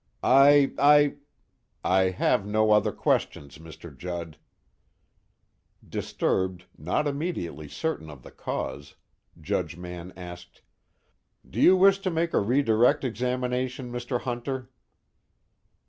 "I I " "I have no other questions, Mr. Judd." Disturbed, not immediately certain of the cause, Judge Mann asked: "Do you wish to make a redirect examination, Mr. Hunter?"